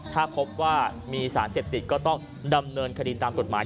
ถ้าพบว่ามีสารเสพติดก็ต้องดำเนินคดีตามกฎหมาย